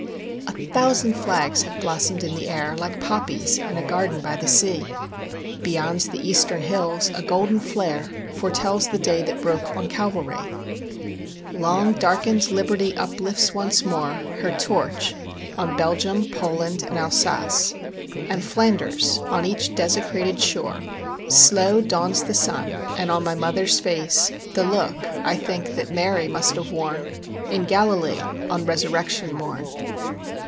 A thousand flags have blossomed in the air Like poppies in a garden by the sea. Beyond the eastern hills a golden flare Foretells the day that broke on Calvary. Long darkened Liberty uplifts once more Her torch on Belgium, Poland and Alsace And Flanders on each desecrated shore, Slow dawns the sun; and on my mother's face The look, I think, that Mary must have worn In Galilee on Resurrection morn.